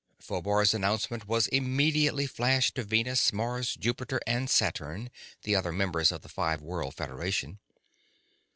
Phobar's announcement was immediately flashed to Venus, Mars, Jupiter, and Saturn, the other members of the Five World Federation.